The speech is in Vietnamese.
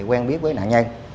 quen biết với nạn nhân